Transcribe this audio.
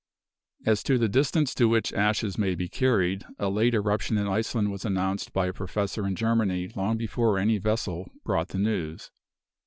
As to the distance to which ashes may be carried, a late eruption in Iceland was announced by a Professor in Germany long before any vessel brought the news.